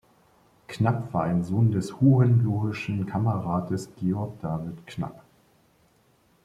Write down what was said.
Knapp war ein Sohn des hohenlohischen Kammerrates Georg David Knapp.